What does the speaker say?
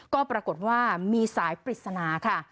ก็ปรากฏว่ามีสายปริศนาค่ะ